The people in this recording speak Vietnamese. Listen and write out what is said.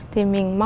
thì mình mong muốn